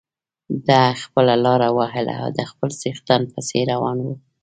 ده خپله لاره وهله د خپل څښتن پسې روان و.